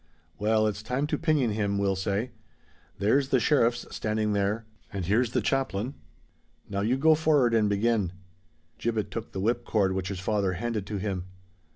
"Well, it's time to pinion him, we'll say; there's the sheriffs standing there—and here's the chaplain. Now, you go for'ard and begin." Gibbet took the whip cord which his father handed to him.